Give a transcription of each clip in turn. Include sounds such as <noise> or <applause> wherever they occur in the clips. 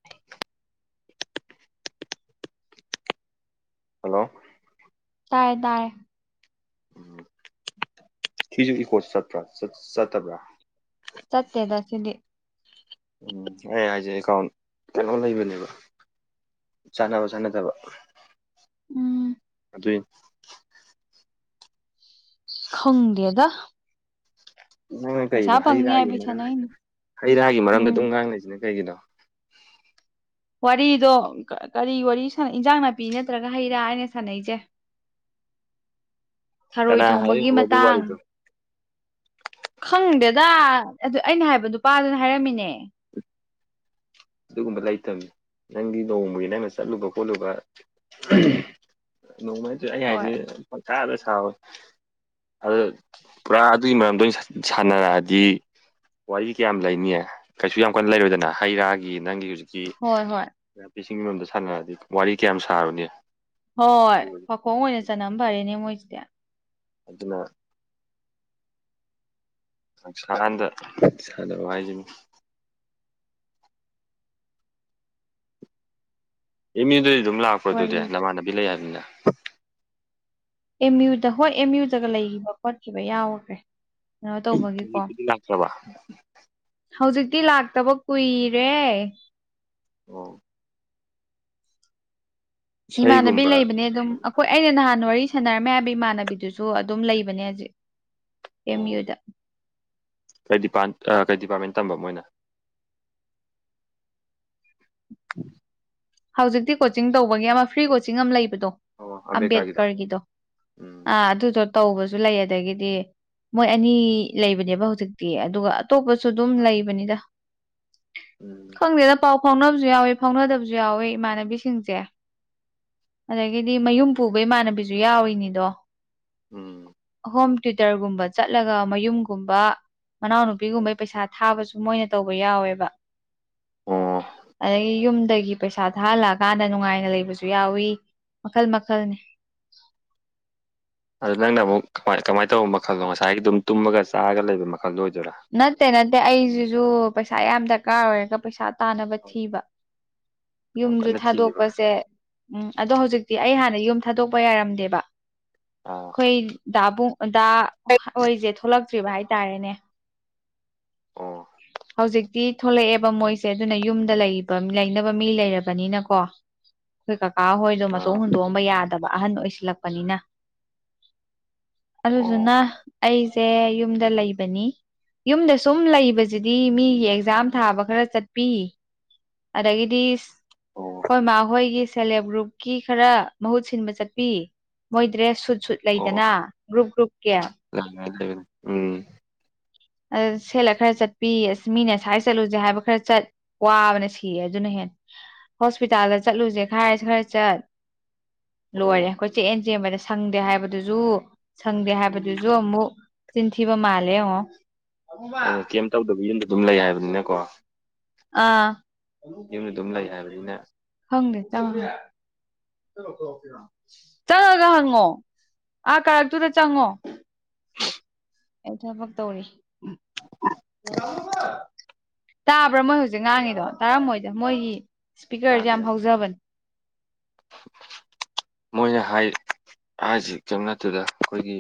ꯎꯃꯝ <unintelligible> hello ꯇꯥꯏꯌꯦ ꯇꯥꯏꯔꯦ ꯎꯝ ꯁꯤꯁꯨ ꯏꯀꯣ ꯆꯠꯄ꯭ꯔꯥ ꯆꯠꯇꯕ꯭ꯔꯥ ꯆꯠꯇꯦꯗ ꯁꯤꯗꯤ ꯎꯝ ꯑꯩ ꯍꯥꯏꯖꯦ ꯑꯦꯀꯥꯎꯟ ꯀꯩꯅꯣ ꯂꯩꯕꯅꯦꯕ ꯆꯥꯟꯅꯕ ꯆꯥꯟꯅꯗꯕ ꯎꯝ ꯑꯗꯨꯏꯅꯤ ꯈꯪꯗꯦꯗ ꯅꯪꯅ ꯄꯩꯁꯥ ꯀꯩꯩꯅꯣ ꯍꯩ ꯐꯪꯅꯤ ꯔꯥꯒꯤ ꯍꯥꯏꯕꯩ ꯃꯔꯝ ꯁꯥꯟꯅꯩꯅꯤ ꯍꯩ ꯔꯥꯒꯤ ꯃꯔꯝꯗ ꯎꯝ ꯑꯗꯨꯝ ꯉꯥꯡ ꯂꯩꯖꯤꯅ ꯀꯩꯒꯤꯅꯣ ꯋꯥꯔꯤꯗꯣ ꯀꯔꯤ ꯋꯥꯔꯤ ꯁꯥ ꯏꯟꯖꯥꯡ ꯅꯥꯄꯤ ꯅꯠꯇ꯭ꯔꯒ ꯍꯩ ꯔꯥ ꯍꯥꯏꯔꯦ ꯁꯥꯟꯅꯩꯖꯦ <inaudible> ꯊꯔꯣꯏ ꯊꯣꯡꯕꯒꯤ ꯍꯥꯏꯔꯛꯏꯅꯣ ꯑꯗꯨ ꯃꯇꯥꯡ ꯋꯥꯔꯤꯗꯣ ꯈꯪꯗꯦꯗ ꯑꯗꯨ ꯑꯩꯅ ꯍꯥꯏꯕ ꯅꯨꯄꯥꯗꯨꯅ ꯍꯥꯏꯔꯝꯃꯤꯅꯦ ꯑꯗꯨꯒꯨꯝꯕ ꯂꯩꯇꯝꯅꯦ ꯅꯪꯒꯤ ꯅꯣꯡꯃꯒꯤ ꯅꯪꯅ ꯆꯠꯂꯨꯕ ꯈꯣꯠꯂꯨꯕ ꯅꫭꯡꯃ ꯍꯥꯏꯖꯩ ꯑꯩ ꯍꯣꯏ ꯍꯥꯏꯖꯦ ꯄꯪꯁꯥꯗ ꯁꯥꯕ ꯑꯗꯨ ꯄꯨꯔꯥ ꯑꯗꯨꯒꯤ ꯃꯔꯝꯗ ꯑꯣꯏꯅ ꯁꯥꯟꯅꯔꯛꯑꯗꯤ ꯋꯥꯔꯤ ꯀꯌꯥꯝ ꯂꯩꯅꯤ ꯀꯩꯁꯨ ꯌꯥꯝ ꯀꯟꯅ ꯂꯩꯔꯣꯏꯗꯅ ꯍꯩ ꯔꯥ ꯑꯩꯒꯤ ꯅꯪꯒꯤ ꯍꯨꯖꯤꯛꯀꯤ ꯍꯣꯏ ꯍꯣꯏ ꯅꯥꯄꯤꯁꯤꯡ ꯃꯔꯝꯗ ꯁꯥꯟꯅꯔꯗꯤ ꯋꯥꯔꯤ ꯀꯌꯥꯝ ꯁꯥꯔꯨꯅꯤ ꯍꯣꯏ ꯄꯈꯣꯡ ꯑꯣꯏꯅ ꯆꯟꯅ ꯐꯔꯦꯅꯦ ꯃꯣꯏꯁꯤꯗꯤ ꯑꯗꯨꯅ ꯄꯪꯁꯥꯟꯗ ꯁꯥꯟꯅꯕ ꯍꯥꯏꯁꯤꯅꯤ ꯑꯦꯝꯌꯨꯗꯗꯤ ꯑꯗꯨꯝ ꯂꯥꯛꯄ꯭ꯔ ꯋꯥꯔꯤ ꯑꯗꯨꯗꯤ ꯅꯃꯥꯟꯅꯕꯤ ꯂꯩ ꯍꯥꯏꯕꯅꯤꯅ ꯑꯦꯝ ꯌꯨꯗ ꯍꯣꯏ ꯑꯦꯝ ꯌꯨꯗꯒ ꯂꯩꯒꯤꯕ ꯈꯣꯠꯈꯤꯕ ꯌꯥꯎꯈ꯭ꯔꯦ ꯀꯩꯅꯣ ꯇꯧꯕꯒꯤꯀꯣ ꯍꯧꯖꯤꯛꯄꯨꯗꯤ ꯂꯥꯛꯇ꯭ꯔꯕ ꯍꯧꯖꯤꯛꯇꯤ ꯂꯥꯛꯇꯕ ꯀꯨꯏꯔꯦ ꯑꯣ ꯏꯃꯥꯟꯅꯕꯤ ꯏꯁꯩꯒꯨꯝꯕ ꯂꯩꯕꯅꯦ ꯑꯗꯨꯝ ꯑꯩꯈꯣꯏ ꯑꯩꯅ ꯅꯍꯥꯟ ꯋꯥꯔꯤ ꯁꯥꯟꯅꯔꯝꯃꯦ ꯍꯥꯏꯕ ꯏꯃꯥꯟꯅꯕꯤꯗꯨꯁꯨ ꯑꯗꯨꯝ ꯂꯩꯕꯅꯦ ꯍꯧꯖꯤꯛ ꯑꯦꯦꯝ ꯑꯣ ꯌꯨꯗ ꯀꯩ ꯗꯤꯄꯥꯔ ꯀꯩ ꯗꯤꯄꯥꯔꯠꯃꯦꯟ ꯇꯝꯕ ꯃꯣꯏꯅ <unintelligible> ꯍꯧꯖꯤꯛꯇꯤ ꯀꯣꯆꯤꯡ ꯇꯧꯕꯒꯤ ꯑꯃ ꯐ꯭ꯔꯤ ꯀꯣꯆꯤꯡ ꯑꯃ ꯂꯩꯕꯗꯣ ꯑꯝꯕꯦꯗꯀꯔꯒꯤꯗꯣ ꯎꯝ ꯑꯥ ꯑꯗꯨꯗꯣ ꯇꯧꯕꯁꯨ ꯂꯩ ꯑꯗꯒꯤꯗꯤ ꯃꯣꯏ ꯑꯅꯤ ꯂꯩꯕꯅꯦꯕ ꯍꯨꯖꯤꯛꯇꯤ ꯑꯗꯨꯒ ꯑꯇꯣꯞꯄꯁꯨ ꯑꯗꯨꯝ ꯂꯩꯕꯅꯤꯗ ꯎꯝ ꯈꯪꯗꯦꯗ ꯄꯥꯎ ꯐꯥꯎꯅꯕꯁꯨ ꯌꯥꯎꯋꯤ ꯐꯥꯎꯅꯗꯕꯁꯨ ꯌꯥꯎꯋꯤ ꯏꯃꯥꯟꯅꯕꯤꯁꯤꯡꯁꯦ ꯑꯗꯒꯤꯗꯤ ꯃꯌꯨꯝ ꯄꯨꯕ ꯏꯃꯥꯟꯅꯕꯤꯁꯨ ꯌꯥꯎꯔꯤꯅꯤꯗꯣ ꯎꯝ ꯍꯣꯝꯇ꯭ꯌꯨꯇꯔꯒꯨꯝꯕ ꯆꯠꯂꯒ ꯃꯌꯨꯝꯒꯨꯝꯕ ꯃꯅꯥꯎꯅꯨꯄꯤꯒꯨꯝꯕꯩ ꯄꯩꯁꯥ ꯊꯥꯕꯁꯨ ꯃꯣꯏꯅ ꯇꯧꯕ ꯌꯥꯎꯋꯦꯕ ꯑꯣ ꯑꯗꯒꯤ ꯌꯨꯝꯗꯒꯤ ꯄꯩꯁꯥ ꯊꯥꯍꯜꯂꯛꯑꯀꯥꯟꯗ ꯅꯨꯡꯉꯥꯏꯅ ꯂꯩꯕꯁꯨ ꯌꯥꯎꯋꯤ ꯃꯈꯜ ꯃꯈꯜꯅꯦ ꯑꯗ ꯅꯪꯅ ꯑꯃꯨꯛ ꯀꯃꯥꯏ ꯀꯃꯥꯏꯅ ꯇꯧꯕ ꯃꯈꯜꯅꯣ ꯉꯁꯥꯏꯒꯤ ꯑꯗꯨꯝ ꯇꯨꯝꯃꯒ ꯆꯥꯔꯒ ꯂꯩꯕ ꯃꯈꯜꯗꯣ ꯑꯣꯏꯗꯣꯏꯔꯥ ꯅꯠꯇꯦ ꯅꯠꯇꯦ ꯑꯩꯁꯤꯁꯨ ꯄꯩꯁꯥ ꯌꯥꯝ ꯗꯔꯀꯥꯔ ꯑꯣꯏꯔꯒ ꯄꯩꯁꯥ ꯇꯥꯅꯕ ꯊꯤꯕ ꯌꯥꯝ ꯌꯨꯝꯁꯨ ꯀꯟꯅ ꯊꯤꯔꯤꯕ ꯊꯥꯗꯣꯛꯄꯁꯦ ꯎꯝ ꯑꯗꯣ ꯍꯧꯖꯤꯛꯇꯤ ꯑꯩ ꯍꯥꯟꯅ ꯌꯨꯝ ꯊꯥꯗꯣꯛꯄ ꯌꯥꯔꯝꯗꯦꯕ ꯑꯥ ꯈꯣꯏ ꯗꯥꯕꯨꯡ ꯗꯥ ꯍꯣꯏꯁꯦ ꯊꯣꯛꯂꯛꯇ꯭ꯔꯤꯕ ꯍꯥꯏꯇꯥꯔꯦꯅꯦ ꯑꯣ ꯍꯧꯖꯤꯛꯇꯤ ꯊꯣꯛꯂꯛꯑꯦꯕ ꯃꯣꯏꯁꯦ ꯑꯗꯨꯅ ꯌꯨꯝꯗ ꯂꯩ ꯂꯩꯅꯕ ꯃꯤ ꯂꯩꯔꯕꯅꯤꯅꯀꯣ ꯈꯣꯏ ꯀꯥꯀꯥ ꯍꯣꯏꯗꯣ ꯃꯇꯣꯝ ꯑꯥ ꯍꯨꯟꯗꯣꯛ ꯌꯥꯗꯕ ꯑꯍꯟ ꯑꯣꯏꯁꯜꯂꯛꯄꯅꯤꯅ ꯑꯣ ꯑꯗꯨꯗꯨꯅ ꯑꯩ ꯁꯦ ꯌꯨꯝꯗ ꯂꯩꯕꯅꯤ ꯌꯨꯝꯗ ꯁꯨꯝ ꯂꯩꯕ ꯑꯗꯨꯖꯤꯗꯤ ꯃꯤꯒꯤ ꯑꯦꯛꯖꯥꯝ ꯊꯥꯕ ꯈꯔ ꯆꯠꯄꯤ ꯑꯗꯒꯤꯗꯤ ꯑꯣ ꯑꯩꯈꯣꯏ ꯃꯥ ꯍꯣꯏꯒꯤ ꯁꯦꯂꯦꯞ ꯒ꯭ꯔꯨꯞꯀꯤ ꯈꯔ ꯃꯍꯨꯠ ꯁꯤꯟꯕ ꯆꯠꯄꯤ ꯃꯣꯏ ꯗ꯭ꯔꯦꯁ ꯁꯨꯠ ꯁꯨꯠ ꯑꯣ ꯂꯩꯗꯅ ꯒ꯭ꯔꯨꯞ ꯒ꯭ꯔꯨꯞꯀꯤ <unintelligible> ꯎꯝ ꯑ ꯁꯦꯠꯂ ꯈꯔ ꯆꯠꯄꯤ ꯑꯁ ꯃꯤꯅꯁꯥꯏ ꯆꯠꯂꯨꯁꯦ ꯍꯥꯏꯕ ꯈꯔ ꯆꯠ ꯋꯥꯕꯅ ꯁꯤꯌꯦ ꯑꯗꯨꯅ ꯍꯦ ꯍꯣꯁꯄꯤꯇꯥꯜꯗ ꯆꯠꯂꯨꯁꯦ ꯈꯥꯏꯔ ꯈꯔ ꯆꯠ ꯂꯣꯏꯔꯦ ꯑꯣ ꯑꯩꯈꯣꯏ ꯆꯦꯛꯑꯦꯟ ꯆꯦꯟꯕꯗ ꯁꯪꯗꯦ ꯍꯥꯏꯕꯗꯨꯁꯨ ꯁꯪꯗꯦ ꯍꯥꯏꯕꯗꯨꯁꯨ ꯑꯃꯨꯛ ꯆꯤꯤꯟꯊꯕ ꯃꯥꯂꯦ ꯑꯣ ꯍꯣꯏ ꯑꯣꯏꯅ ꯀꯦꯝ ꯇꯧꯗꯕ ꯌꯨꯝꯗ ꯑꯗꯨꯝ ꯂꯩ ꯍꯥꯏꯕꯅꯤꯅꯀꯣ ꯑ ꯌꯨꯝꯗ ꯑꯗꯨꯝ ꯂꯩ ꯍꯥꯏꯕꯅꯤꯅ ꯍꯪꯦ ꯆꯝ ꯆꯪꯉꯒ ꯍꯪꯉꯣ ꯑꯥ ꯀꯥꯔꯛꯇꯨꯗ ꯆꯪꯉꯣ ꯑꯩ ꯊꯕꯛ ꯇꯧꯔꯤ ꯇꯥꯕ꯭ꯔꯥ ꯃꯣꯏ ꯍꯧꯖꯤꯛ ꯉꯥꯡꯉꯤꯗꯣ ꯇꯥꯔꯝꯃꯣꯏꯗ ꯃꯣꯏꯒꯤ ꯏꯁꯄꯤꯀꯔꯁꯦ ꯇꯥꯗꯦ ꯌꯥꯝ ꯍꯧꯖꯕꯅꯦ ꯃꯣꯏꯅ ꯍꯥꯏ ꯍꯥꯏꯁꯤ ꯆꯪ ꯅꯠꯇꯨꯗ ꯑꯩꯈꯣꯏꯒꯤ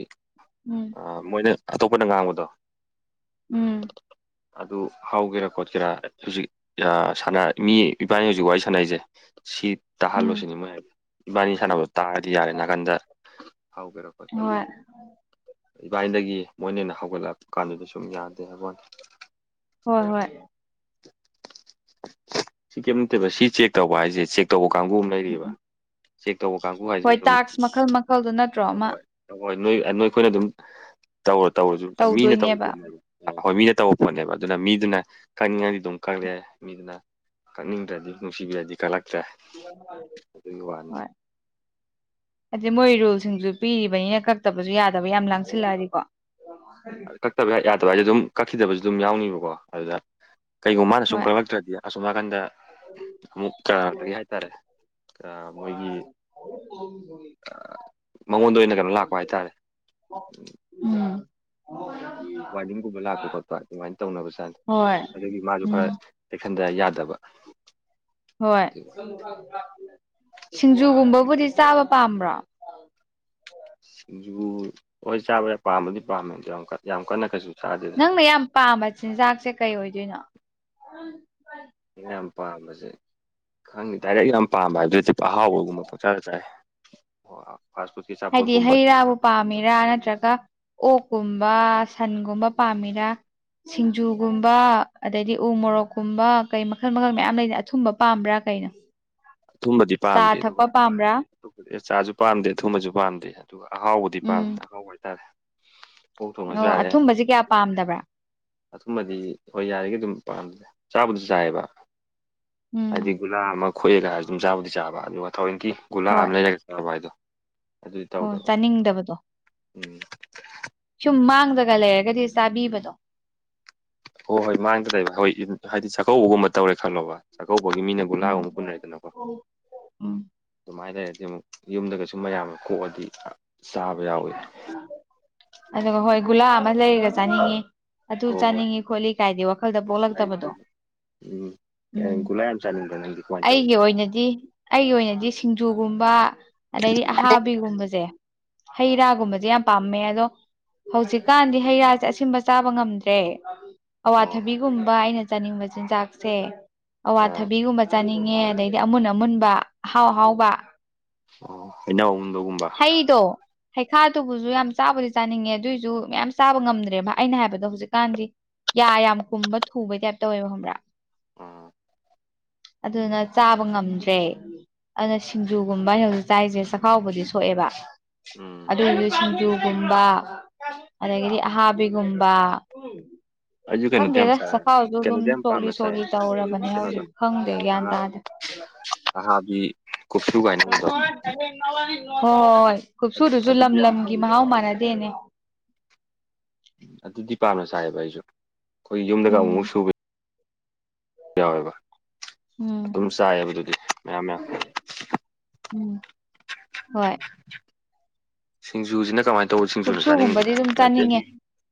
ꯎꯝ ꯃꯣꯏꯅ ꯑꯇꯣꯞꯄꯅ ꯉꯥꯡꯕꯗꯣ ꯎꯝ ꯑꯗꯨ ꯍꯧꯒꯦꯔꯥ ꯈꯣꯠꯀꯦꯔꯥ ꯍꯧꯖꯤꯛꯥꯟ ꯃꯤ ꯏꯕꯥꯅꯤ ꯍꯧꯖꯤꯛ ꯋꯥꯔꯤ ꯁꯥꯟꯅꯔꯤꯁꯦ ꯁꯤ ꯎꯝ ꯇꯥꯍꯜꯂꯨꯁꯤꯅꯤ ꯃꯣꯏ ꯏꯕꯥꯅꯤ ꯁꯥꯟꯅꯕꯗꯣ ꯇꯥꯔꯗꯤ ꯌꯥꯔꯦ ꯅꯥꯀꯟꯗ ꯍꯧꯒꯦꯔ ꯍꯣꯏ ꯏꯕꯥꯏꯗꯒꯤ ꯃꯣꯏꯅꯅ ꯍꯧꯒꯠꯂꯛꯄ ꯀꯥꯟꯗꯨꯗꯁꯨ ꯁꯨꯝ ꯌꯥꯗꯦ ꯍꯥꯏꯕꯣꯟꯅꯦ ꯍꯣꯏ ꯍꯣꯏ ꯁꯤ ꯀꯔꯤꯝ ꯅꯠꯇꯦꯕ ꯁꯤ ꯆꯦꯛ ꯇꯧꯕ ꯍꯥꯏꯁꯦ ꯆꯦꯛ ꯇꯧꯕ ꯀꯥꯡꯕꯨ ꯑꯃ ꯂꯩꯔꯤꯕ ꯆꯦꯛ ꯇꯧꯕ ꯀꯥꯡ ꯍꯣꯏ ꯇꯥꯛꯁ ꯃꯈꯜ ꯃꯈꯜꯗ ꯅꯠꯇ꯭ꯔꯣ ꯑꯃ ꯍ ꯍꯣꯏ ꯅꯣꯏ ꯅꯣꯏꯈꯣꯏꯅ ꯑꯗꯨꯝ ꯇꯧꯔ ꯇꯧꯔꯁꯨ ꯃꯤꯅ ꯇꯧꯔ ꯇꯧꯗꯣꯏꯅꯦꯕ ꯄꯣꯠꯅꯦꯕ ꯑ ꯍꯣꯏ ꯃꯤꯅ ꯇꯧꯕ ꯄꯣꯠꯅꯦꯕ ꯑꯗꯨꯅ ꯃꯤꯗꯨꯅ ꯀꯛꯅꯤꯡꯉꯗꯤ ꯑꯗꯨꯝ ꯀꯛꯂꯛꯑꯦ ꯃꯤꯗꯨꯅ ꯀꯛꯅꯤꯡꯗ꯭ꯔꯗꯤ ꯅꯨꯡꯁꯤꯕꯤꯔꯗꯤ ꯀꯛꯂꯛꯇ꯭ꯔꯦ ꯑꯗꯨꯒꯤ <unintelligible> ꯍꯣꯏ <unintelligible> ꯑꯗꯤ ꯃꯣꯏ ꯔꯨꯜꯁꯤꯡꯁꯨ ꯄꯤꯔꯤꯕꯅꯤꯅ ꯀꯛꯇꯕꯁꯨ ꯌꯥꯗꯕ ꯌꯥꯝ ꯂꯥꯡꯁꯤꯜꯂꯛꯑꯗꯤꯀꯣ ꯀꯛꯇꯕ ꯌꯥꯗꯕ ꯍꯥꯏꯁꯦ ꯑꯗꯨꯝ ꯀꯛꯈꯤꯗꯕꯁꯨ ꯑꯗꯨꯝ ꯌꯥꯎꯅꯤꯕꯀꯣ ꯑꯗꯨꯗ ꯀꯩꯒꯨꯝꯕ ꯃꯥꯅ ꯁꯨꯝ ꯍꯣꯏ ꯀꯛꯂꯛꯇ꯭ꯔꯗꯤ ꯑꯁꯨꯝ ꯅꯥꯀꯟꯗ ꯑꯃꯨꯛ ꯇ <unintelligible> ꯗꯒꯤ ꯍꯥꯏꯇꯥꯔꯦ ꯑ ꯃꯣꯏꯒꯤ ꯃꯉꯣꯟꯗ ꯑꯣꯏꯅ ꯀꯩꯅꯣ ꯂꯥꯛꯄ ꯍꯥꯏꯇꯥꯔꯦ ꯎꯝ ꯀꯩꯅꯣ ꯋꯥꯔꯅꯤꯡꯒꯨꯝꯕ ꯂꯥꯛꯄ ꯈꯣꯠꯄ ꯑꯗꯨꯃꯥꯏꯅ ꯇꯧꯅꯕ ꯖꯥꯠꯅꯤ ꯍꯣꯏ ꯑꯗꯨꯒꯤ ꯃꯥꯁꯨ ꯈꯔ ꯎꯝ ꯆꯦꯛꯁꯟꯗ ꯌꯥꯗꯕ ꯍꯣꯏ ꯑꯗꯨꯒꯤ ꯁꯤꯡꯖꯨꯒꯨꯝꯕꯕꯨꯗꯤ ꯆꯥꯕ ꯄꯥꯝꯕ꯭ꯔꯣ ꯁꯤꯡꯖꯨ ꯍꯣꯏ ꯆꯥꯕ ꯄꯥꯝꯕꯗꯤ ꯄꯥꯝꯃꯦ ꯌꯥꯝ ꯌꯥꯝ ꯀꯟꯅ ꯀꯩꯁꯨ ꯆꯥꯗꯦꯗ ꯅꯪꯅ ꯌꯥꯝ ꯄꯥꯝꯕ ꯆꯤꯟꯖꯥꯛꯁꯦ ꯀꯩ ꯑꯣꯏꯗꯣꯏꯅꯣ ꯑꯩꯅ ꯌꯥꯝ ꯄꯥꯝꯕꯁꯦ ꯈꯪꯉꯤ ꯗꯥꯏꯔꯦꯛ ꯌꯥꯝ ꯄꯥꯝꯕ ꯍꯥꯏꯕꯗꯨ ꯑꯍꯥꯎꯕꯒꯨꯝꯕ ꯄꯪ ꯆꯥꯗ ꯆꯥꯏ <unintelligible> ꯐꯥꯁꯐꯨꯗ ꯍꯥꯏꯗꯤ ꯍꯩ ꯔꯥꯕꯨ ꯄꯥꯝꯃꯤꯔꯥ ꯅꯠꯇ꯭ꯔꯒ ꯑꯣꯛꯀꯨꯝꯕ ꯁꯟꯒꯨꯝꯕ ꯄꯥꯝꯃꯤꯔꯥ ꯁꯤꯡꯖꯨꯒꯨꯝꯕ ꯑꯗꯩꯗꯤ ꯎꯃꯣꯔꯣꯛ ꯀꯨꯝꯕ ꯀꯩ ꯃꯈꯜ ꯃꯈꯜ ꯃꯌꯥꯝ ꯂꯩꯅ ꯑꯊꯨꯝꯕ ꯄꯥꯝꯕ꯭ꯔꯥ ꯀꯩꯅꯣ ꯑꯊꯨꯝꯕꯗꯤ ꯆꯥ ꯄꯥꯝꯗꯦ ꯊꯛꯄ ꯑꯗꯨꯒ ꯄꯥꯝꯕ꯭ꯔꯥ ꯆꯥꯁꯨ ꯄꯥꯝꯗꯦ ꯑꯊꯨꯝꯕꯁꯨ ꯄꯥꯝꯗꯦ ꯑꯗꯨꯒ ꯑꯍꯥꯎꯕꯗꯤ ꯎꯝ ꯄꯥꯝꯃꯦ ꯑꯍꯥꯎꯕ ꯍꯥꯏꯇꯥꯔꯦ ꯄꯣꯛ ꯊꯣꯡꯉꯁꯨ ꯑꯣ ꯌꯥꯔꯦ ꯑꯊꯨꯝꯕꯁꯦ ꯀꯌꯥ ꯄꯥꯝꯗꯕ꯭ꯔꯥ ꯑꯊꯨꯝꯕꯗꯤ ꯍꯣꯏ ꯌꯥꯔꯤꯒꯩ ꯑꯗꯨꯝ ꯄꯥꯝꯗꯦ ꯆꯥꯕꯨꯗꯤ ꯆꯥꯏꯌꯦꯕ ꯎꯝ ꯍꯥꯏꯗꯤ ꯒꯨꯂꯥ ꯑꯃ ꯈꯣꯑꯒ ꯍꯥꯏꯔꯁꯨ ꯑꯗꯨꯝ ꯆꯥꯕꯨꯗꯤ ꯆꯥꯕ ꯑꯗꯨ ꯋꯥꯠ ꯊꯧꯑꯣꯏꯀꯤ ꯒꯨꯂꯥ ꯍꯣꯏ ꯑꯃ ꯂꯩꯔꯒ ꯆꯥꯕ ꯍꯥꯏꯗꯣ ꯑꯗꯨꯗꯤ ꯇꯧꯗꯕ ꯅꯤꯡꯗꯕꯗꯣ ꯎꯝ ꯁꯨꯝ ꯃꯥꯡꯗꯒ ꯂꯩꯔꯒꯗꯤ ꯆꯥꯕꯤꯕꯗꯣ ꯍꯣꯏ ꯍꯣꯏ ꯃꯥꯡꯗ ꯂꯩꯕ ꯍꯣꯏ ꯍꯥꯏꯗꯤ ꯆꯥꯛꯀꯧꯕꯒꯨꯝꯕ ꯇꯧꯔꯦ ꯈꯜꯂꯣꯕ ꯆꯥꯛꯀꯧꯕꯒꯤ ꯃꯤꯅ ꯎꯝ ꯒꯨꯂꯥꯒꯨꯝꯕ ꯄꯨꯟꯅꯩꯗꯅꯀꯣ ꯎꯝ ꯑꯗꯨꯃꯥꯏꯅ ꯂꯩꯔꯗꯤ ꯑꯃꯨꯛ ꯌꯨꯝꯗꯒꯁꯨ ꯃꯌꯥꯝꯅ ꯀꯣꯛꯑꯗꯤ ꯆꯥꯕ ꯌꯥꯎꯏꯤ ꯑꯗꯨꯒ ꯍꯣꯏ ꯒꯨꯂꯥ ꯑꯃ ꯂꯩꯔꯒ ꯆꯥꯅꯤꯡꯉꯤ ꯑꯗꯨ ꯍꯣꯏ ꯆꯥꯅꯤꯡꯉꯤ ꯈꯣꯠꯂꯤ ꯀꯥꯏꯗ ꯋꯥꯈꯜꯗ ꯄꯣꯛꯂꯛꯇꯕꯗꯣ ꯂꯩꯇꯦ ꯎꯝ ꯒꯨꯂꯥ ꯌꯥꯝ ꯆꯥꯅꯤꯡꯕ꯭ꯔꯥ ꯅꯪꯗꯤ ꯀꯃꯥꯏꯅ ꯇꯧꯋꯤ ꯑꯩꯒꯤ ꯑꯣꯏꯅꯗꯤ ꯑꯩꯒꯤ ꯑꯣꯏꯅꯗꯤ ꯁꯤꯡꯖꯨꯒꯨꯝꯕ ꯑꯗꯩꯗꯤ ꯑꯍꯥꯕꯤꯒꯨꯝꯕꯁꯦ ꯍꯩ ꯑꯥ ꯔꯥꯒꯨꯝꯕꯁꯦ ꯌꯥꯝ ꯄꯥꯝꯃꯦ ꯑꯗꯣ ꯍꯧꯖꯤꯛꯀꯥꯟꯗꯤ ꯍꯩ ꯔꯥꯁꯦ ꯑꯁꯤꯟꯕ ꯆꯥꯕ ꯉꯝꯗ꯭ꯔꯦ ꯑꯣ ꯑꯋꯥꯊꯕꯤꯒꯨꯝꯕ ꯑꯩꯅ ꯆꯥꯅꯤꯡꯕ ꯆꯤꯟꯖꯥꯛꯁꯦ ꯑꯥ ꯑꯋꯥꯊꯕꯤꯒꯨꯝꯕ ꯆꯥꯅꯤꯡꯉꯦ ꯑꯗꯩꯗꯤ ꯑꯃꯨꯟ ꯑꯃꯨꯟꯕ ꯑꯍꯥꯎ ꯑꯍꯥꯎꯕ ꯑꯣ ꯍꯩꯅꯎꯨꯝꯗꯒꯨꯝꯕ ꯍꯩꯗꯣ ꯍꯩꯈꯥꯗꯨꯕꯨꯁꯨ ꯌꯥꯝ ꯆꯥꯕꯗꯤ ꯆꯥꯅꯤꯡꯉꯦ ꯑꯗꯨꯑꯣꯏꯁꯨ ꯃꯌꯥꯝ ꯆꯥꯕ ꯉꯝꯗ꯭ꯔꯦꯕ ꯑꯩꯅ ꯍꯥꯏꯕꯗꯣ ꯍꯧꯖꯤꯛꯀꯥꯟꯗꯤ ꯌꯥ ꯌꯥꯝ ꯀꯨꯝꯕ ꯊꯨꯕꯒꯤ ꯇꯥꯏꯞꯇ ꯇꯧꯏꯋꯦꯕ ꯈꯪꯕ꯭ꯔꯥ ꯎꯝ ꯑꯗꯨꯅ ꯆꯥꯕ ꯉꯝꯗ꯭ꯔꯦ ꯑꯗꯨꯅ ꯁꯤꯡꯖꯨꯒꯨꯝꯕ ꯑꯩꯅ ꯍꯧꯖꯤꯛ ꯆꯥꯏꯁꯦ ꯆꯈꯥꯎꯕꯨꯗꯤ ꯁꯣꯛꯑꯦꯕ ꯎꯝ ꯎꯝ ꯑꯗꯨ ꯑꯣꯏꯁꯨ ꯁꯤꯡꯖꯨ ꯕ ꯑꯗꯒꯤꯗꯤ ꯑꯍꯥꯕꯤꯒꯨꯝꯕ ꯑꯩꯁꯨ ꯀꯩꯅꯣꯗꯤ ꯌꯥꯝ ꯈꯪꯗꯦꯗ ꯆꯥꯏ ꯆꯈꯥꯎꯁꯨ ꯑꯗꯨꯝ ꯀꯩꯅꯣꯗꯤ ꯌꯥꯝ ꯁꯣꯛꯂꯤ ꯄꯥꯝꯅ ꯆꯥꯏ ꯁꯣꯛꯂꯤ ꯇꯧꯔꯕꯅꯦ ꯍꯧꯖꯤꯛꯀꯤ ꯀꯩꯅꯣꯗꯣ ꯍꯧꯖꯤꯛ ꯈꯪꯗꯦ ꯒ꯭ꯌꯥꯟ ꯇꯥꯗꯦ ꯑꯍꯥꯕꯤ ꯀꯨꯞꯁꯨ ꯀꯥꯏꯅ <unintelligible> ꯍꯥꯏꯕꯗꯣ ꯍꯣꯏ ꯀꯨꯞꯁꯨꯗꯨꯁꯨ ꯂꯝ ꯑꯗꯨꯗꯤ ꯌꯥꯝ ꯂꯝꯒꯤ ꯄꯥꯝꯅ ꯃꯍꯥꯎ ꯆꯥꯏꯌꯦꯕ ꯃꯥꯟꯅꯗꯦꯅꯦ ꯑꯗꯨꯗꯤ ꯄꯥꯝꯅ ꯆꯥꯏꯕ ꯑꯩꯁꯨ ꯑꯩꯈꯣꯏ ꯌꯨꯝꯗꯒ ꯎꯝ ꯑꯃꯨꯃꯨꯛ ꯁꯨꯕ ꯌꯥꯎꯋꯦꯕ ꯎꯝ ꯑꯗꯨꯝ ꯆꯥꯏꯌꯦꯕ ꯑꯗꯨꯗꯤ ꯃꯌꯥꯝ ꯃꯌꯥꯝ ꯎꯝ ꯍꯣꯏ ꯁꯤꯡꯖꯨꯁꯤꯅ ꯀꯃꯥꯏꯅ ꯇꯧꯕ ꯁꯤꯡꯖꯨꯅ ꯀꯨꯞꯁꯨꯒꯨꯝꯕꯗꯤ ꯆꯥꯅꯤꯡꯉꯤꯁꯤꯅ ꯑꯗꯨꯝ ꯆꯥꯅꯤꯡꯉꯦ ꯃꯊꯦꯜꯒꯤ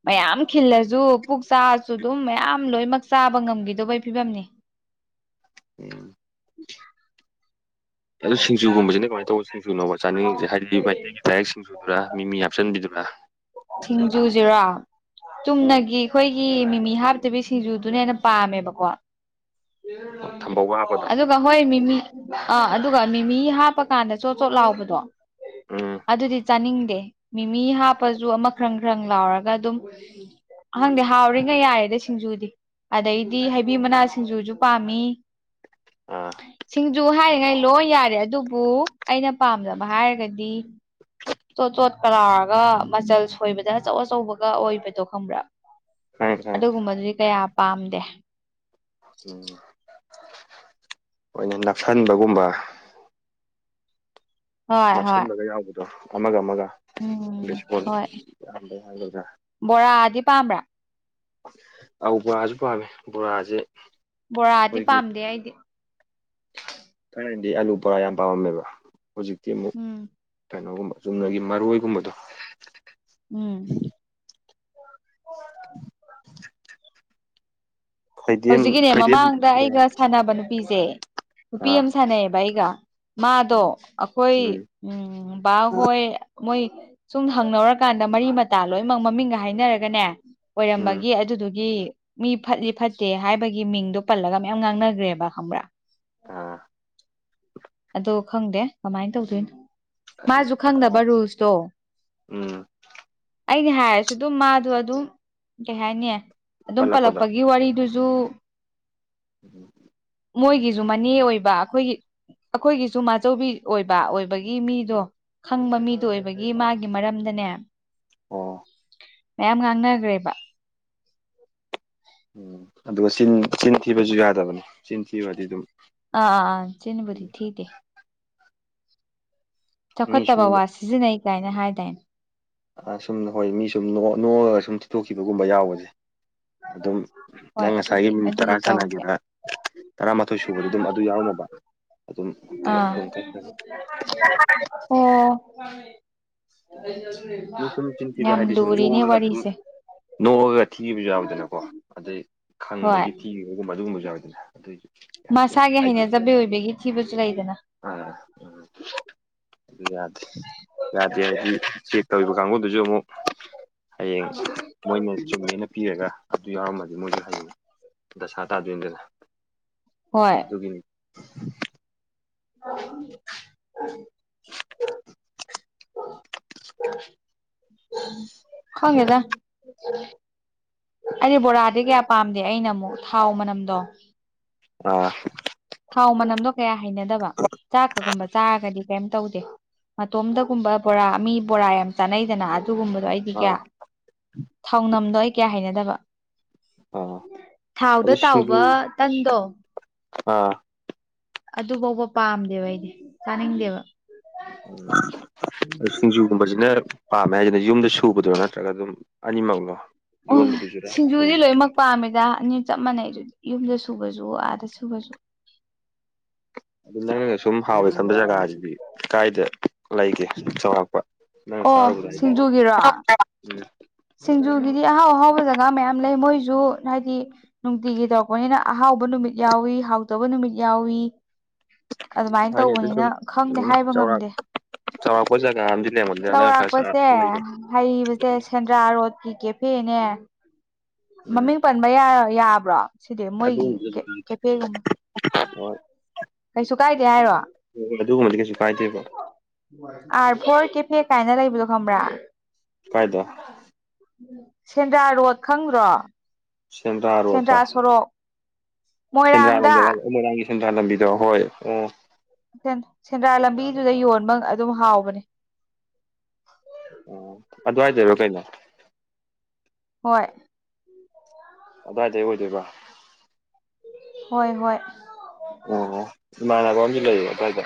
ꯃꯌꯥꯝ ꯈꯤꯜꯂꯁꯨ ꯄꯨꯛ ꯆꯥꯛꯑꯁꯨ ꯑꯗꯨꯝ ꯃꯌꯥꯝ ꯂꯣꯏꯃꯛ ꯆꯥꯕ ꯉꯝꯈꯤꯗꯧꯕꯩ ꯐꯤꯕꯝꯅꯤ ꯎꯝ ꯑꯗꯨ ꯁꯤꯡꯖꯨꯒꯨꯝꯕꯁꯤꯅ ꯀꯃꯥꯏꯅ ꯇꯧꯕ ꯁꯤꯡꯖꯨꯅꯣꯕ ꯆꯥꯅꯤꯡꯉꯤꯁꯦ ꯍꯥꯏꯗꯤ ꯃꯩꯇꯩꯒꯤ ꯗꯥꯏꯔ‌ꯦꯛ ꯁꯤꯡꯖꯨꯗꯨꯔꯥ ꯃꯤꯃꯤ ꯍꯥꯞꯆꯟꯕꯤꯗꯨꯔꯥ ꯁꯤꯡꯖꯨꯁꯤꯔ‌ꯣ ꯎꯝ ꯆꯨꯝꯅꯒꯤ ꯑꯩꯈꯣꯏ ꯒꯤ ꯃꯤꯃꯤ ꯍꯥꯞꯇꯕꯤ ꯁꯤꯡꯖꯨꯗꯨꯅ ꯍꯦꯟꯅ ꯄꯥꯝꯃꯦꯕꯀꯣ ꯑꯗꯨ ꯊꯝꯕꯧꯒ ꯍꯥꯞꯄꯗꯣ ꯑꯗꯨꯒ ꯍꯣꯏ ꯃꯤꯃꯤ ꯑꯥ ꯑꯗꯨꯒ ꯃꯤꯃꯤ ꯍꯥꯞꯄꯀꯥꯟꯗ ꯆꯣꯠ ꯆꯣꯠ ꯂꯥꯎꯕꯗꯣ ꯎꯝ ꯑꯗꯨꯗꯤ ꯆꯥꯅꯤꯡꯗꯦ ꯃꯤꯃꯤ ꯍꯥꯞꯄꯁꯨ ꯑꯃ ꯈ꯭ꯔꯪ ꯈ꯭ꯔꯪ ꯂꯥꯎꯔꯒ ꯑꯗꯨꯝ ꯎꯝ ꯈꯪꯗ‌ꯦ ꯍꯥꯎꯔꯤꯉꯩ ꯌꯥꯏꯌ‌ꯦꯗ ꯁꯤꯡꯖꯨꯗꯤ ꯑꯗꯩꯗꯤ ꯍꯩꯕꯤ ꯃꯅꯥ ꯁꯤꯡꯖꯨꯁꯨ ꯄꯥꯝꯃꯤ ꯑꯥ ꯁꯤꯡꯖꯨ ꯍꯥꯏꯔꯤꯉꯩ ꯂꯣꯏ ꯌꯥꯔꯦ ꯑꯗꯨꯕꯨ ꯑꯩꯅ ꯄꯥꯝꯗꯕ ꯍꯥꯏꯔꯒꯗꯤ ꯆꯣꯠ ꯆꯣꯠ ꯀ ꯂꯥꯎꯔꯒ ꯃꯆꯜ ꯁꯣꯏꯕꯗ ꯑꯆꯧ ꯑꯆꯧꯕꯒ ꯑꯣꯏꯕꯗꯣ ꯈꯪꯕ꯭ꯔꯥ ꯈꯪꯉꯦ ꯈꯪꯉꯦ ꯑꯗꯨꯒꯨꯝꯕꯗꯨꯗꯤ ꯀꯌꯥ ꯄꯥꯝꯗꯦ ꯎꯝ ꯍ‌ꯣꯏꯅ‌ꯦ ꯅꯞꯁꯟꯕꯒꯨꯝꯕ ꯍꯣꯏ ꯍꯣꯏ ꯅꯥꯞꯁꯟꯕꯒ ꯌꯥꯎꯕꯗꯣ ꯑꯃꯒ ꯑꯃꯒ ꯎꯝ ꯕꯦꯁꯣꯟ ꯍꯣꯏ ꯌꯥꯝꯕꯩ ꯍꯥꯏꯒꯗ꯭ꯔꯥ ꯕꯣꯔꯥꯗꯤ ꯄꯥꯝꯕ꯭ꯔꯥ ꯑ ꯕꯣꯔꯥꯖꯨ ꯄꯥꯝꯃꯦ ꯕꯣꯔꯥꯖꯤ ꯕꯣꯔꯥꯗꯤ ꯄꯥꯝꯗꯦ ꯑꯩꯗꯤ ꯊꯥꯏꯅꯗꯤ ꯑꯥꯂꯨ ꯕꯣꯔꯥ ꯌꯥꯝ ꯄꯥꯝꯃꯝꯃꯦꯕ ꯍꯧꯖꯤꯛꯇꯤ ꯑꯃꯨꯛ ꯎꯝ ꯀꯩꯅꯣꯒꯨꯝꯕ ꯆꯨꯝꯅꯒꯤ ꯃꯔꯣꯏꯒꯨꯝꯕꯗꯣ ꯎꯝ <unintelligible> ꯈꯩꯗꯦꯝ ꯍꯧꯖꯤꯛꯀꯤꯅꯦ ꯈꯩꯗꯦꯝ ꯃꯃꯥꯡꯗ ꯕꯣꯔꯥ ꯑꯩꯒ ꯁꯥꯟꯅꯕ ꯅꯨꯄꯤꯖ‌ꯦꯅꯨꯄꯤ ꯑꯥ ꯑꯝ ꯁꯥꯟꯅꯩꯌꯦꯕ ꯑꯩꯒ ꯃꯥꯗꯣ ꯎꯝ ꯑꯩꯈꯣꯏ ꯎꯝ ꯎꯝ ꯕꯥꯍꯣꯏ ꯃꯣꯏ ꯁꯨꯝ ꯍꯪꯅꯧꯔꯀꯥꯟꯗ ꯃꯔꯤ ꯃꯇꯥ ꯂꯣꯏꯃꯛ ꯃꯃꯤꯡꯒ ꯍꯥꯏꯅꯔꯒꯅꯦ ꯎꯝ ꯑꯣꯏꯔꯝꯕꯒꯤ ꯑꯗꯨꯗꯨꯒꯤ ꯃꯤ ꯐꯠꯂꯤ ꯐꯠ ꯇꯦ ꯍꯥꯏꯕꯒꯤ ꯃꯤꯡꯗꯣ ꯄꯜꯂꯒ ꯃꯌꯥꯝ ꯉꯥꯡꯅꯒ꯭ꯔꯦꯕ ꯈꯪꯕ꯭ꯔꯥ ꯑꯥ ꯑꯗꯣ ꯈꯪꯗꯦ ꯀꯃꯥꯏꯟ ꯇꯧꯗꯣꯏꯅꯣ ꯃꯥꯁꯨ ꯑꯇꯥ ꯈꯪꯗꯕ ꯔꯨꯜꯁꯇꯣ ꯎꯝ ꯑꯩꯅ ꯍꯥꯏꯔꯁꯨ ꯑꯗꯨꯝ ꯃꯥꯗꯣ ꯑꯗꯨꯝ ꯀꯩ ꯍꯥꯏꯅꯤ ꯑꯗꯨꯝ ꯄꯜꯂꯛꯄꯗꯣ ꯄꯜꯂꯛꯄꯒꯤ ꯋꯥꯔꯤꯗꯨꯖꯨ ꯎꯝ <unintelligible> ꯃꯣꯏꯒꯤꯁꯨ ꯃꯅꯦ ꯑꯣꯏꯕ ꯑꯩꯈꯣꯏꯒꯤ ꯑꯩꯈꯣꯏꯒꯤꯁꯨ ꯃꯥꯆꯧꯕꯤ ꯑꯣꯏꯕ ꯑꯣꯏꯕꯒꯤ ꯃꯤꯗꯣ ꯈꯪꯕ ꯃꯤꯗꯣ ꯑꯣꯏꯕꯒꯤ ꯃꯥꯒꯤ ꯃꯔꯝꯗꯅꯦ ꯑꯣ ꯃꯌꯥꯝ ꯉꯥꯡꯅꯈ꯭ꯔꯦꯕ ꯎꯝ ꯑꯗꯨꯒ ꯆꯤꯟ ꯆꯤꯟ ꯊꯤꯕꯁꯨ ꯌꯥꯗꯕꯅꯤ ꯆꯤꯟ ꯊꯤꯌꯨꯔꯗꯤ ꯑꯗꯨꯝ ꯑꯥꯑꯥ ꯆꯤꯟꯕꯨꯗꯤ ꯊꯤꯗꯦ ꯃꯤ ꯆꯥꯎꯈꯠꯇꯕ ꯋꯥ ꯁꯨꯝ ꯁꯤꯖꯤꯟꯅꯩ ꯀꯥꯏꯅ ꯍꯥꯏꯗꯥꯏꯅꯦ ꯁꯨꯝ ꯍꯣꯏ ꯃꯤ ꯁꯨꯝ ꯅ‌ꯣꯛ ꯅꯣꯛꯑꯒ ꯁꯨꯝ ꯊꯤꯗ‌ꯣꯛꯈꯤꯕꯒꯨꯝꯕ ꯌꯥꯎꯕꯁꯦ ꯑꯗꯨꯝ ꯍꯣꯏ ꯅꯪ ꯑꯗꯨꯗꯤ ꯉꯁꯥꯏꯒꯤ ꯃꯤꯅꯤꯠ ꯇꯔꯥ ꯑꯗꯨꯗꯤ ꯇꯧꯗꯦ ꯁꯥꯟꯅꯒꯦꯔ ꯇꯔꯥꯃꯥꯊꯣꯏ ꯁꯨꯕꯗ ꯑꯗꯨꯝ ꯑꯗꯨ ꯌꯥꯎꯔꯝꯃꯕ ꯑꯗꯨꯝ ꯄꯨꯂꯞ ꯑꯥ ꯑꯗꯨꯝ ꯀꯛꯈ꯭ꯔꯅꯤ ꯑꯣ ꯑꯗꯨꯃꯥꯏꯅ ꯑꯗꯨꯝ ꯁꯨꯝ ꯆꯤꯟꯊꯤꯕ ꯌꯥꯝ ꯍꯥꯏꯗꯤ ꯁꯨꯝ ꯂꯨꯔꯤꯅꯦ ꯅꯣꯛꯑꯒ ꯁꯨꯝ ꯋꯥꯔꯤꯁꯦ ꯅꯣꯛꯑꯒ ꯊꯤꯕꯁꯨ ꯌꯥꯎꯗꯅꯀꯣ ꯑꯗꯩ ꯍꯣꯏ ꯈꯪꯕꯒꯤ ꯊꯤꯌ ꯑꯗꯨꯒꯨꯝꯕꯁꯨ ꯌꯥꯎꯏꯗꯅ ꯑꯗꯨꯏꯖꯨ ꯃꯁꯥꯒꯤ ꯍꯩꯅꯖꯕꯤ ꯑꯣꯏꯕꯤꯒꯤ ꯊꯤꯕꯁꯨ ꯂꯩꯗꯅ ꯑ ꯌꯥꯦ ꯌꯥꯗꯤ ꯍꯥꯏ ꯆꯦꯛ ꯇꯧꯔꯤꯕ ꯀꯥꯡꯕꯨꯗꯨꯁꯨ ꯑꯃꯨꯛ ꯍꯌꯦꯡ ꯃꯣꯏꯅ ꯆꯨꯝꯃꯦꯅ ꯄꯤꯔꯒ ꯑꯗꯨ ꯌꯥꯎꯔꯝꯃꯗꯤ ꯃꯣꯏꯁꯨ ꯍꯌꯦꯅꯤ ꯗꯁꯥ ꯇꯥꯗꯣꯏꯅꯗꯅ ꯍꯣꯏ ꯒꯤꯅꯤ ꯎ ꯎ ꯁ ꯍꯉꯦꯗ ꯑꯩꯗꯤ ꯕꯣꯔꯥꯗꯤ ꯀꯌꯥ ꯄꯥꯝꯗꯦ ꯑꯩꯅ ꯑꯃꯨꯛ ꯊꯥꯎ ꯃꯅꯝꯗꯣ ꯑ ꯊꯥꯎ ꯃꯅꯝꯗꯣ ꯀꯌꯥ ꯍꯩꯅꯗꯕ ꯆꯥꯛꯀꯒꯨꯝꯕ ꯆꯥꯔꯒꯗꯤ ꯀꯩꯝ ꯇꯧꯗꯦ ꯃꯇꯣꯝꯗꯒꯨꯝꯕ ꯕꯣꯔꯥ ꯃꯤ ꯕꯣꯔꯥ ꯌꯥꯝ ꯆꯥꯅꯩꯗꯅ ꯑꯗꯨꯒꯨꯝꯕꯗꯣ ꯑꯩꯗꯤ ꯀꯌꯥ ꯑꯥ ꯊꯥꯎꯅꯝꯗꯣ ꯑꯩ ꯀꯌꯥ ꯍꯥꯏꯅꯗꯕ ꯑꯥ ꯊꯥꯎꯗ ꯑꯗꯨ ꯁꯤꯡꯖꯨ ꯇꯥꯎꯕ ꯇꯟꯗꯣ ꯑꯥ ꯑꯗꯨ ꯐꯥꯎꯕ ꯄꯥꯝꯗꯦꯕ ꯑꯩꯗꯤ ꯆꯥꯅꯤꯡꯗꯦꯕ ꯁꯤꯡꯖꯨꯒꯨꯝꯕꯖꯤꯅ ꯄꯥꯝꯃꯦ ꯍꯥꯏꯁꯤꯅ ꯌꯨꯝꯗ ꯁꯨꯕꯗ꯭ꯔꯣ ꯅꯠꯇ꯭ꯔꯒ ꯑꯗꯨꯝ ꯑꯅꯤꯃꯛꯂꯣ ꯑꯣ ꯌꯣꯟꯕꯗꯨꯁꯨꯔꯥ ꯁꯨꯝ ꯁꯤꯡꯖꯨꯗꯤ ꯂꯣꯏꯃꯛ ꯄꯥꯝꯃꯤꯗ ꯑꯅꯤ ꯆꯞ ꯃꯥꯟꯅꯩ ꯑꯗꯨꯗꯤ ꯌꯨꯝꯗ ꯁꯨꯕꯁꯨ ꯑꯥꯗ ꯁꯨꯕꯁꯨ ꯑꯗꯨ ꯅꯪꯅꯒ ꯁꯨꯝ ꯍꯥꯎꯋꯦ ꯈꯟꯕ ꯖꯒꯥꯁꯤꯗꯤ ꯀꯥꯏꯗ ꯂꯩꯒꯦ ꯆꯥꯎꯔꯥꯛꯄ ꯅ ꯁꯔꯨ ꯑꯣ ꯀ ꯇꯔ ꯁꯤꯡꯖꯨꯒꯤꯔꯣ ꯁꯤꯡꯖꯨꯒꯤꯗꯤ ꯑꯍꯥꯎ ꯑꯍꯥꯎꯕ ꯖꯒꯥ ꯃꯌꯥꯝ ꯂꯩ ꯃꯣꯏꯁꯨ ꯍꯥꯏꯗꯤ ꯅꯨꯡꯇꯤꯒꯤ ꯇꯧꯔꯛꯄꯅꯤꯅ ꯑꯍꯥꯎꯕ ꯅꯨꯃꯤꯠ ꯌꯥꯎꯏ ꯍꯥꯎꯗꯕ ꯅꯨꯃꯤꯠ ꯌꯥꯎꯏ ꯑꯗꯨꯃꯥꯏꯅ ꯍꯥꯏꯅꯤ ꯑꯗꯨ ꯇꯧꯕꯅꯤꯅ ꯁꯨꯝ ꯈꯪꯗꯦ ꯎꯝ ꯍꯥꯏꯕ ꯆꯥꯎꯔꯥꯛ ꯉꯝꯗꯦ ꯆꯥꯎꯔꯥꯛꯄ ꯖꯒꯥ ꯑꯃꯗꯤ ꯂꯩꯔꯝꯒꯅꯤꯗ ꯅꯪ ꯈꯔ ꯆꯥ ꯆꯥꯎꯧꯔꯥꯛꯄꯁꯦ ꯂꯩꯕꯗꯣ ꯍꯩꯕꯁꯦ ꯁꯦꯟꯗ꯭ꯔꯥ ꯔꯣꯗꯀꯤ ꯀꯦꯐꯦꯅꯦ ꯎꯝ ꯃꯃꯤꯡ ꯄꯟꯕ ꯌꯥꯕ꯭ꯔꯣ ꯁꯤꯗꯤ ꯃꯣꯏꯒꯤ ꯑꯗꯨꯒꯨꯝꯕꯗꯤ ꯀꯩꯁꯨ ꯀꯥꯏꯗꯦ ꯀꯦꯄꯦꯒꯨꯝꯕ ꯍꯣꯏ ꯀꯩꯁꯨ ꯀꯥꯏꯗꯦ ꯍꯥꯏꯔꯣ ꯍꯣꯏ ꯑꯗꯨꯒꯨꯝꯕꯗꯤ ꯀꯩꯁꯨ ꯀꯥꯏꯗꯦꯕ ꯑꯥꯔ ꯐꯣꯔ ꯀꯦꯐꯦ ꯀꯥꯏꯅ ꯂꯩꯕꯗꯣ ꯈꯪꯕ꯭ꯔꯥ ꯀꯥꯏꯗ ꯁꯦꯟꯗ꯭ꯔꯥ ꯔꯣꯗ ꯈꯪꯗ꯭ꯔꯣ ꯁꯦꯟꯗ꯭ꯔꯥ ꯁꯦꯟꯗ꯭ꯔꯥꯔꯣꯇꯥ ꯁꯣꯔꯣꯛ ꯁꯦꯟꯗ꯭ꯔꯥ ꯃꯣꯏꯔꯥꯡꯗ ꯂꯝꯗ ꯃꯣꯏꯔꯥꯡꯒꯤ ꯁꯦꯟꯗ꯭ꯔꯥ ꯂꯝꯕꯤꯗꯣ ꯍꯣꯏ ꯑꯣ ꯁꯦꯟꯗ꯭ꯔꯥ ꯂꯝꯕꯤꯗꯨꯗ ꯌꯣꯟꯕ ꯑꯗꯨꯝ ꯍꯥꯎꯕꯅꯦ ꯑ ꯑꯗꯨꯋꯥꯏꯗꯔꯣ ꯀꯩꯅꯣ ꯍꯣꯏ ꯑꯗꯨꯋꯥꯏꯗꯩ ꯑꯣꯏꯗꯣꯏꯕ ꯍꯣꯏ ꯍꯣꯏ ꯑꯣ ꯏꯃꯥꯟꯅꯕ ꯑꯝꯖꯨ ꯂꯩ ꯑꯗꯨꯋꯥꯏꯗ